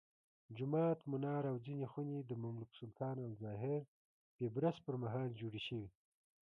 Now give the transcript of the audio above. جومات، منار او ځینې خونې د مملوک سلطان الظاهر بیبرس پرمهال جوړې شوې.